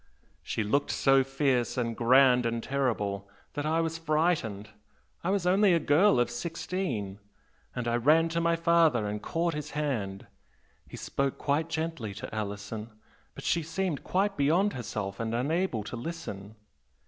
She looked so fierce and grand and terrible that I was frightened I was only a girl of sixteen, and I ran to my father and caught his hand. He spoke quite gently to Alison, but she seemed quite beyond herself and unable to listen.